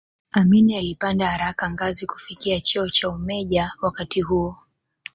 Amin alipanda haraka ngazi kufikia cheo cha umeja wakati huo